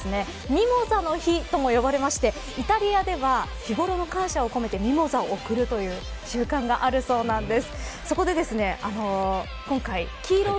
ミモザの日とも呼ばれまして、イタリアでは日頃の感謝を込めてミモザを贈るという習慣があるそうです。